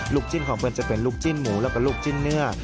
จิ้นของเปิ้ลจะเป็นลูกจิ้นหมูแล้วก็ลูกจิ้นเนื้อ